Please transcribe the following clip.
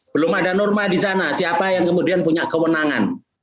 belum ada norma di sana siapa yang kemudian punya kewenangan